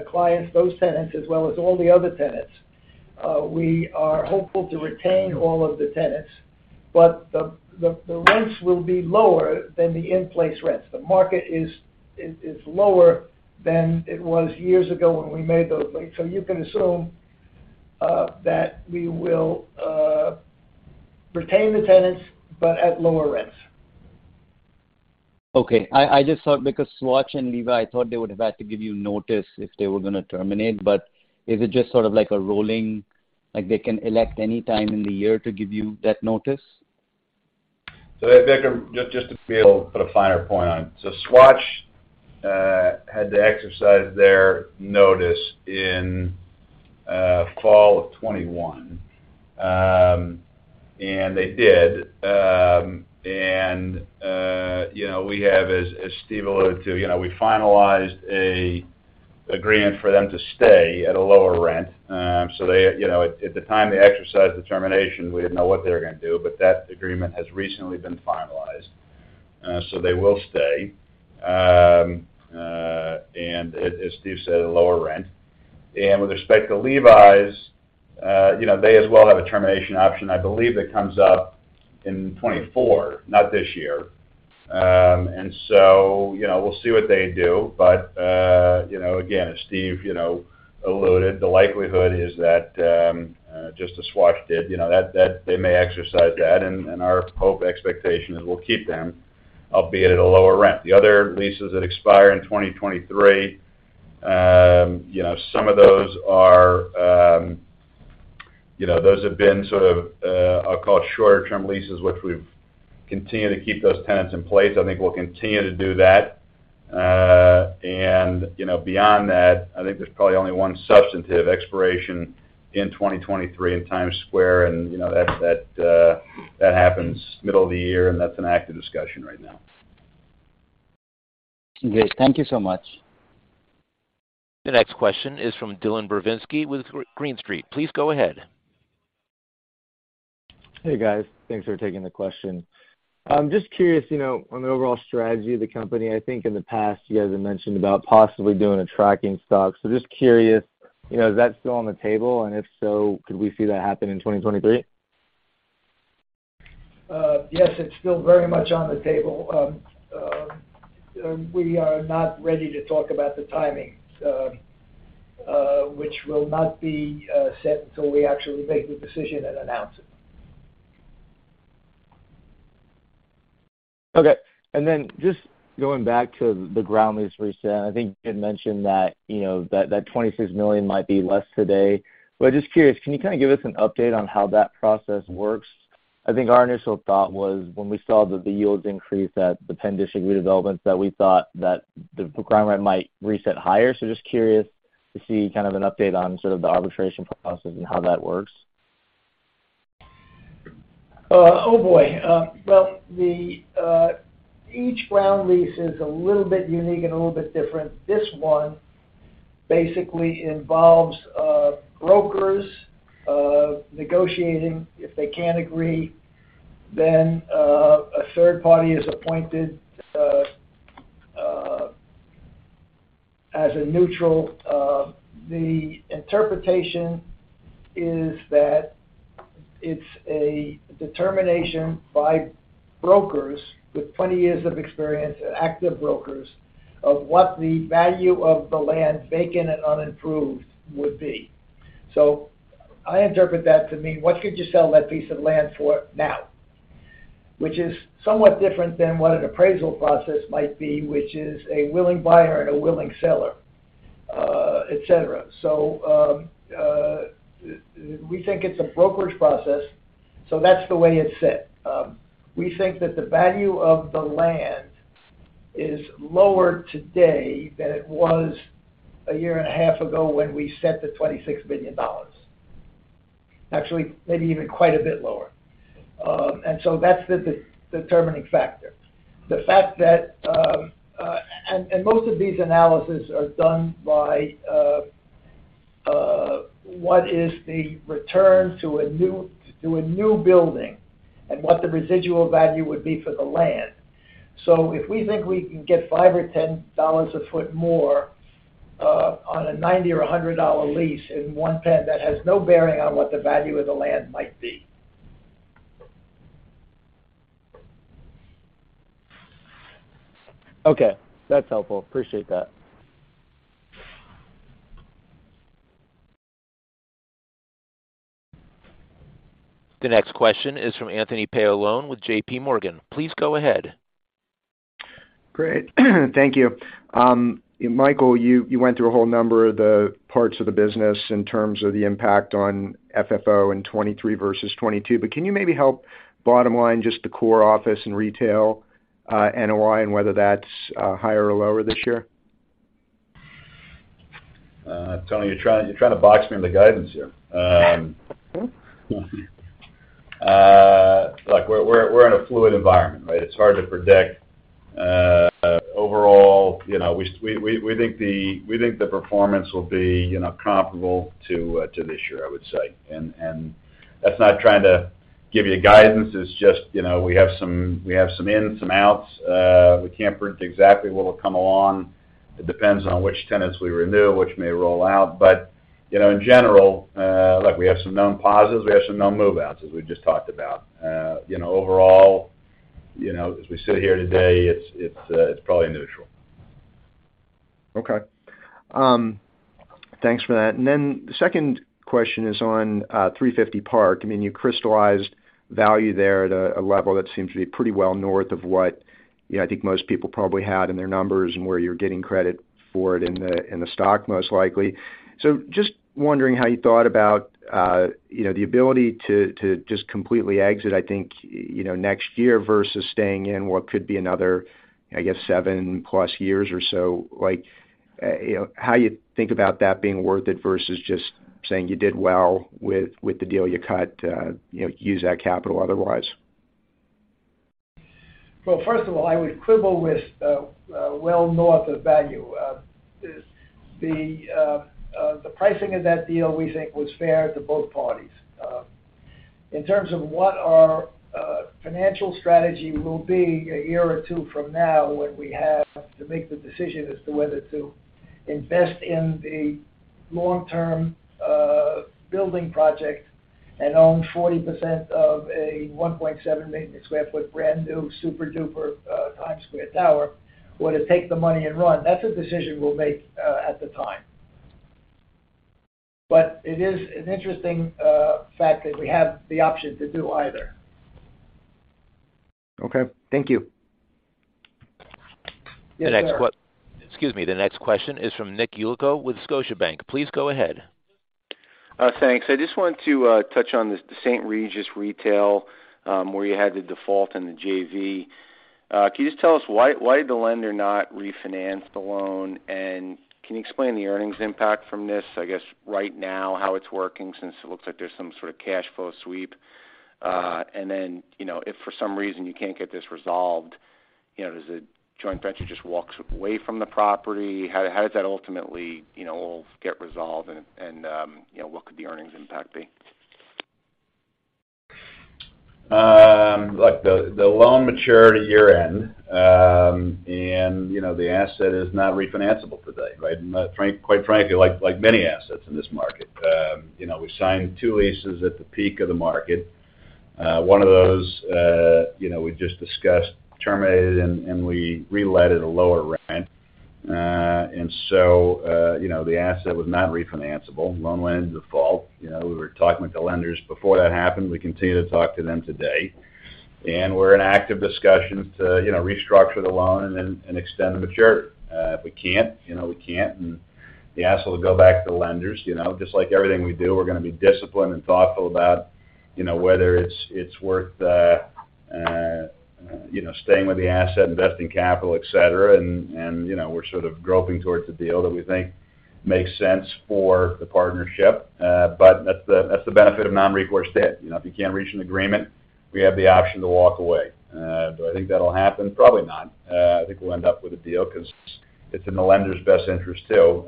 clients, those tenants, as well as all the other tenants. We are hopeful to retain all of the tenants, but the rents will be lower than the in-place rents. The market is lower than it was years ago when we made those leases. You can assume that we will retain the tenants, but at lower rents. Okay. I just thought because Swatch and Levi, I thought they would have had to give you notice if they were gonna terminate, is it just sort of like a rolling, like they can elect any time in the year to give you that notice? Vikram, just to be able to put a finer point on. Swatch had to exercise their notice in fall of 2021. They did. You know, we have as Steve alluded to, you know, we finalized an agreement for them to stay at a lower rent. They, you know, at the time they exercised the termination, we didn't know what they were gonna do, but that agreement has recently been finalized. They will stay. As Steve said, at a lower rent. With respect to Levi's, you know, they as well have a termination option, I believe that comes up in 2024, not this year. So, you know, we'll see what they do. You know, again, as Steve, you know, alluded, the likelihood is that, just as Swatch did, you know, that they may exercise that, and our hope expectation is we'll keep them, albeit at a lower rent. The other leases that expire in 2023, you know, some of those are, you know, those have been sort of, I'll call it shorter-term leases, which we've continued to keep those tenants in place. I think we'll continue to do that. And, you know, beyond that, I think there's probably only one substantive expiration in 2023 in Times Square, and, you know, that happens middle of the year, and that's an active discussion right now. Great. Thank you so much. The next question is from Dylan Burzinski with Green Street. Please go ahead. Hey, guys. Thanks for taking the question. I'm just curious, you know, on the overall strategy of the company. I think in the past, you guys have mentioned about possibly doing a tracking stock. Just curious, you know, is that still on the table? If so, could we see that happen in 2023? Yes, it's still very much on the table. We are not ready to talk about the timing, which will not be set until we actually make the decision and announce it. Just going back to the ground lease reset, I think you had mentioned that, you know, that $26 million might be less today. Just curious, can you kind of give us an update on how that process works? Our initial thought was when we saw that the yields increase at the PENN District redevelopments, that we thought that the ground rent might reset higher. Just curious to see kind of an update on sort of the arbitration process and how that works. Oh, boy. Well, the each ground lease is a little bit unique and a little bit different. This one basically involves brokers negotiating. If they can't agree, then a third party is appointed as a neutral. The interpretation is that it's a determination by brokers with 20 years of experience, active brokers, of what the value of the land vacant and unimproved would be. I interpret that to mean, what could you sell that piece of land for now? Which is somewhat different than what an appraisal process might be, which is a willing buyer and a willing seller, et cetera. We think it's a brokerage process, so that's the way it's set. We think that the value of the land is lower today than it was a year and a half ago when we set the $26 billion. Actually, maybe even quite a bit lower. That's the de-determining factor. The fact that, and most of these analysis are done by, what is the return to a new, to a new building and what the residual value would be for the land. If we think we can get $5 or $10 a foot more, on a $90 or $100 lease in PENN 1, that has no bearing on what the value of the land might be. Okay, that's helpful. Appreciate that. The next question is from Anthony Paolone with JPMorgan. Please go ahead. Great. Thank you. Michael, you went through a whole number of the parts of the business in terms of the impact on FFO in 2023 versus 2022, but can you maybe help bottom line just the core office and retail, NOI, and whether that's higher or lower this year? Tony, you're trying to box me in the guidance here. Mm-hmm. Look, we're in a fluid environment, right? It's hard to predict. Overall, you know, we think the performance will be, you know, comparable to this year, I would say. That's not trying to give you guidance. It's just, you know, we have some, we have some ins, some outs. We can't predict exactly what will come along. It depends on which tenants we renew, which may roll out. You know, in general, look, we have some known positives, we have some known move-outs, as we just talked about. You know, overall, you know, as we sit here today, it's probably neutral. Okay. Thanks for that. The second question is on 350 Park. I mean, you crystallized value there at a level that seems to be pretty well north of what, you know, I think most people probably had in their numbers and where you're getting credit for it in the stock, most likely. Just wondering how you thought about, you know, the ability to just completely exit, I think, you know, next year versus staying in what could be another, I guess, 7+ years or so. Like, you know, how you think about that being worth it versus just saying you did well with the deal you cut to, you know, use that capital otherwise. Well, first of all, I would quibble with well north of value. The pricing of that deal, we think was fair to both parties. In terms of what our financial strategy will be a year or two from now, when we have to make the decision as to whether to invest in the long-term building project and own 40% of a 1.7 million sq ft brand new super-duper Times Square tower, or to take the money and run, that's a decision we'll make at the time. It is an interesting fact that we have the option to do either. Okay, thank you. Yes, sir. Excuse me. The next question is from Nick Yulico with Scotiabank. Please go ahead. Thanks. I just want to touch on this, the St. Regis retail, where you had the default in the JV. Can you just tell us why the lender not refinance the loan? Can you explain the earnings impact from this, I guess right now, how it's working, since it looks like there's some sort of cash flow sweep? Then, you know, if for some reason you can't get this resolved, you know, does the joint venture just walks away from the property? How does that ultimately, you know, all get resolved and, you know, what could the earnings impact be? Look, the loan matured at year-end. You know, the asset is not re-financeable today, right? Quite frankly, like many assets in this market. You know, we signed two leases at the peak of the market. One of those, you know, we just discussed, terminated and we re-let at a lower rent. You know, the asset was not re-financeable. Loan lend default. You know, we were talking with the lenders before that happened. We continue to talk to them today. We're in active discussions to, you know, restructure the loan and extend the maturity. If we can't, you know, we can't, and the asset will go back to the lenders. You know, just like everything we do, we're gonna be disciplined and thoughtful about, you know, whether it's worth, you know, staying with the asset, investing capital, et cetera. You know, we're sort of groping towards a deal that we think makes sense for the partnership. That's the benefit of non-recourse debt. You know, if you can't reach an agreement, we have the option to walk away. Do I think that'll happen? Probably not. I think we'll end up with a deal 'cause it's in the lender's best interest, too.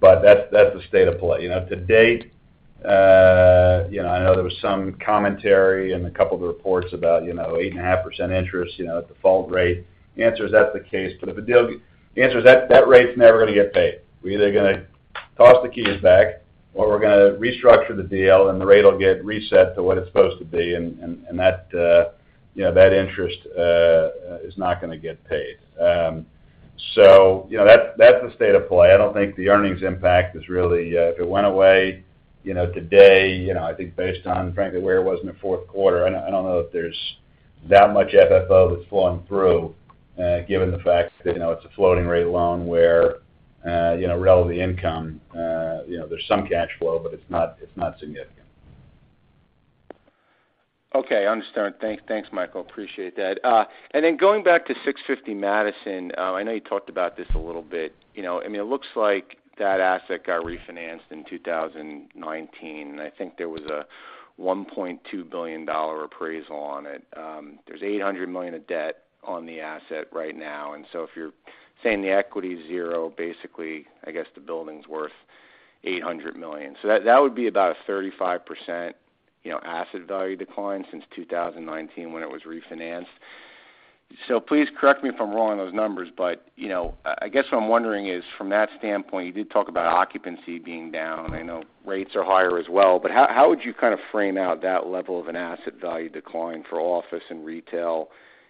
That's the state of play. You know, to date, you know, I know there was some commentary and a couple of the reports about, you know, 8.5% interest, you know, at default rate. The answer is that's the case, but the answer is that rate's never gonna get paid. We're either gonna toss the keys back, or we're gonna restructure the deal, and the rate will get reset to what it's supposed to be, and that, you know, that interest is not gonna get paid. You know, that's the state of play. I don't think the earnings impact is really. If it went away, you know, today, you know, I think based on frankly, where it was in the fourth quarter, I don't know if there's that much FFO that's flowing through, given the fact that, you know, it's a floating rate loan where, you know, relevant income, you know, there's some cash flow, but it's not significant. Okay, understood. Thanks, Michael. Appreciate that. Then going back to 650 Madison. I know you talked about this a little bit. You know, I mean, it looks like that asset got refinanced in 2019, and I think there was a $1.2 billion appraisal on it. There's $800 million of debt on the asset right now, and so if you're saying the equity is zero, basically, I guess the building's worth $800 million. That would be about a 35%, you know, asset value decline since 2019 when it was refinanced. Please correct me if I'm wrong on those numbers, but, you know, I guess what I'm wondering is, from that standpoint, you did talk about occupancy being down. I know rates are higher as well, how would you kind of frame out that level of an asset value decline for office and retail,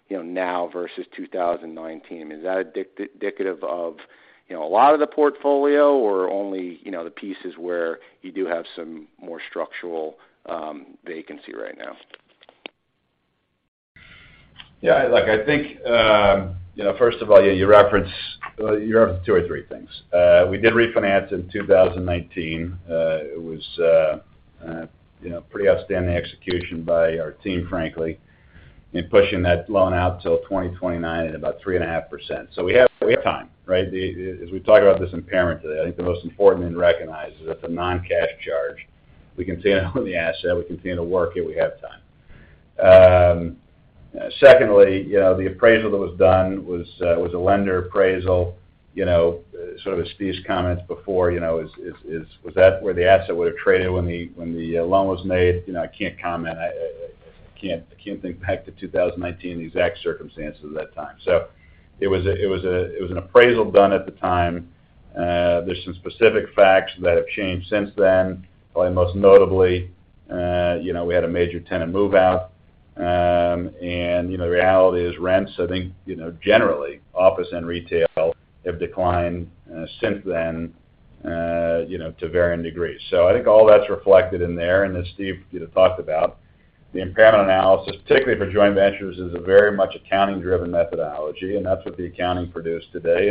you know, now versus 2019? Is that indicative of, you know, a lot of the portfolio or only, you know, the pieces where you do have some more structural vacancy right now? Yeah. Look, I think, you know, first of all, you reference, you referenced two or three things. We did refinance in 2019. It was, you know, pretty outstanding execution by our team, frankly, in pushing that loan out till 2029 at about 3.5%. We have, we have time, right? As we talk about this impairment today, I think the most important thing to recognize is it's a non-cash charge. We continue to own the asset. We continue to work it. We have time. Secondly, you know, the appraisal that was done was a lender appraisal, you know, sort of as Steve's comments before. You know, is... Was that where the asset would have traded when the, when the loan was made? You know, I can't comment. I can't think back to 2019, the exact circumstances at that time. It was an appraisal done at the time. There's some specific facts that have changed since then. Probably most notably, you know, we had a major tenant move out. The reality is rents, I think, you know, generally office and retail have declined since then, you know, to varying degrees. I think all that's reflected in there. As Steve talked about, the impairment analysis, particularly for joint ventures, is a very much accounting-driven methodology, and that's what the accounting produced today.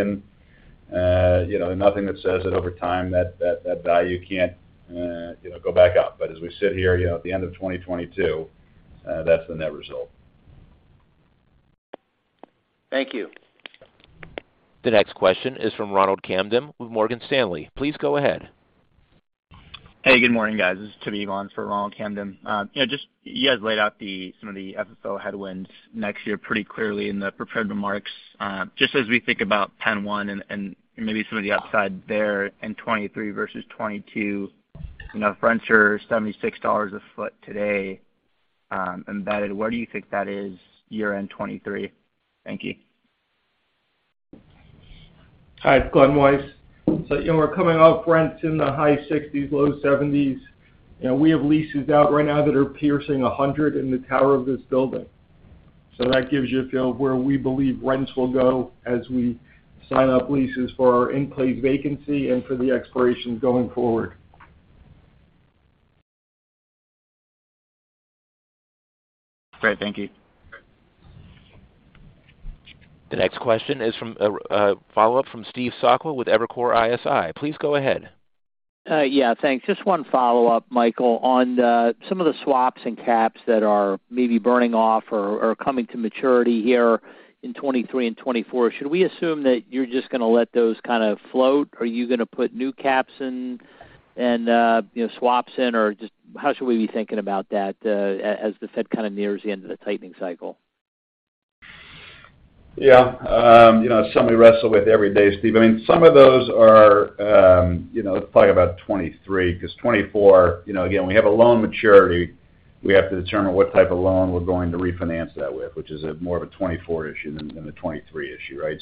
Nothing that says that over time, that value can't, you know, go back up. As we sit here, you know, at the end of 2022, that's the net result. Thank you. The next question is from Ronald Kamdem with Morgan Stanley. Please go ahead. Hey, good morning, guys. This is Toby Vaughn for Ronald Kamdem. You know, just you guys laid out some of the FFO headwinds next year pretty clearly in the prepared remarks. Just as we think about PENN 1 and maybe some of the upside there in 2023 versus 2022. You know, rents are $76 a foot today, embedded. Where do you think that is year-end 2023? Thank you. Hi, it's Glen Weiss. You know, we're coming off rents in the high $60s, low $70s. You know, we have leases out right now that are piercing $100 in the tower of this building. That gives you a feel of where we believe rents will go as we sign up leases for our in-place vacancy and for the expirations going forward. Great. Thank you. The next question is from, a follow-up from Steve Sakwa with Evercore ISI. Please go ahead. Yeah, thanks. Just one follow-up, Michael, on some of the swaps and caps that are maybe burning off or are coming to maturity here in 2023 and 2024. Should we assume that you're just gonna let those kind of float? Are you gonna put new caps in and, you know, swaps in? Or just how should we be thinking about that, as the Fed kind of nears the end of the tightening cycle? Yeah. You know, it's something we wrestle with every day, Steve. I mean, some of those are, you know, let's talk about 2023, because 2024... You know, again, when we have a loan maturity, we have to determine what type of loan we're going to refinance that with, which is a more of a 2024 issue than a 2023 issue, right?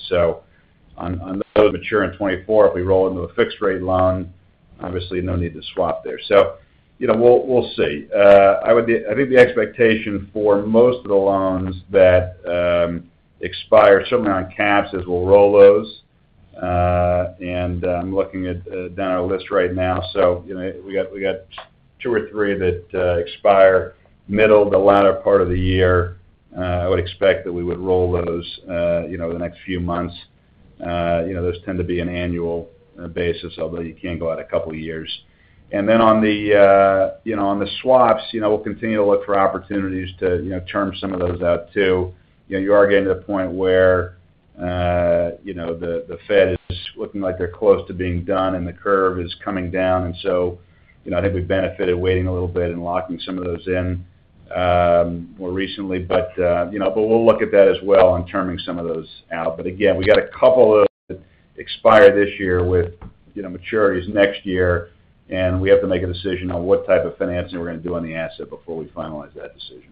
On those that mature in 2024, if we roll into a fixed rate loan, obviously no need to swap there. You know, we'll see. I think the expectation for most of the loans that expire certainly on caps is we'll roll those I'm looking at down our list right now. You know, we got two or three that expire middle to latter part of the year. I would expect that we would roll those, you know, the next few months. You know, those tend to be an annual basis, although you can go out a couple of years. Then on the, you know, on the swaps, you know, we'll continue to look for opportunities to, you know, term some of those out too. You know, you are getting to a point where, you know, the Fed is looking like they're close to being done and the curve is coming down. So, you know, I think we benefited waiting a little bit and locking some of those in more recently. You know, but we'll look at that as well and terming some of those out. Again, we got a couple that expire this year with, you know, maturities next year, and we have to make a decision on what type of financing we're gonna do on the asset before we finalize that decision.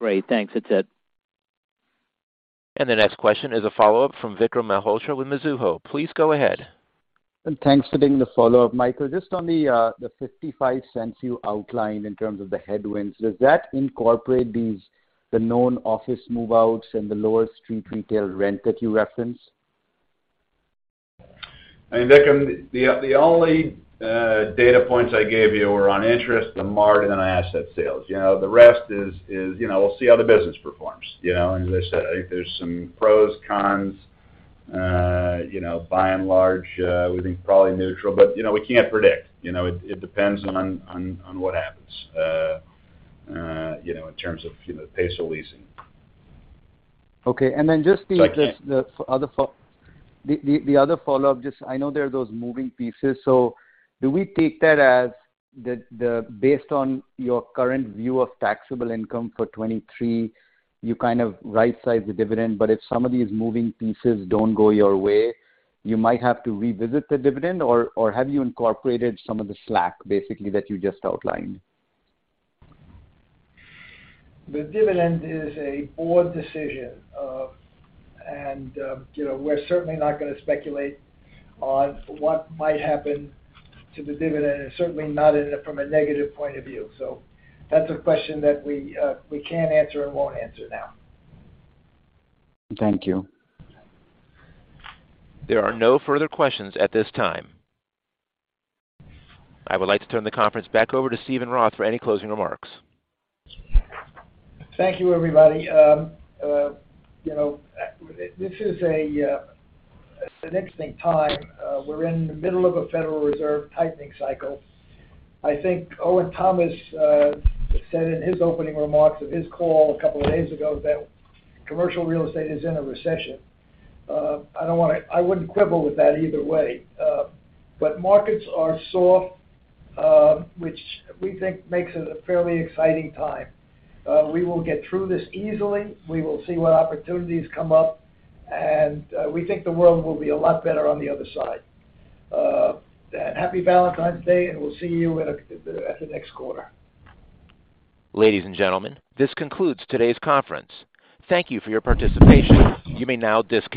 Great. Thanks. That's it. The next question is a follow-up from Vikram Malhotra with Mizuho. Please go ahead. Thanks for taking the follow-up, Michael. Just on the $0.55 you outlined in terms of the headwinds, does that incorporate these, the known office move-outs and the lower street retail rent that you referenced? I mean, Vikram, the only data points I gave you were on interest, the margin, and asset sales. You know, the rest is, you know, we'll see how the business performs. You know, as I said, I think there's some pros, cons, you know, by and large, we think probably neutral, but, you know, we can't predict. You know, it depends on what happens, you know, in terms of, you know, pace of leasing. Okay. Then just. I can't- The other follow-up just. I know there are those moving pieces. Do we take that as the... Based on your current view of taxable income for 2023, you kind of right-size the dividend, but if some of these moving pieces don't go your way, you might have to revisit the dividend? Have you incorporated some of the slack, basically that you just outlined? The dividend is a board decision. You know, we're certainly not gonna speculate on what might happen to the dividend, and certainly not in it from a negative point of view. That's a question that we can't answer and won't answer now. Thank you. There are no further questions at this time. I would like to turn the conference back over to Steven Roth for any closing remarks. Thank you everybody. You know, this is an interesting time. We're in the middle of a Federal Reserve tightening cycle. I think Owen Thomas said in his opening remarks of his call a couple of days ago that commercial real estate is in a recession. I wouldn't quibble with that either way. But markets are soft, which we think makes it a fairly exciting time. We will get through this easily. We will see what opportunities come up, and we think the world will be a lot better on the other side. Happy Valentine's Day, and we'll see you at the next quarter. Ladies and gentlemen, this concludes today's conference. Thank you for your participation. You may now disconnect.